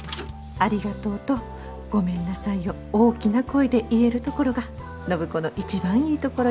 「ありがとう」と「ごめんなさい」を大きな声で言えるところが暢子の一番いいところよって。